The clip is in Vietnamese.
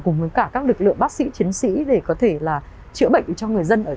cùng với cả các lực lượng bác sĩ chiến sĩ để có thể là chữa bệnh cho người dân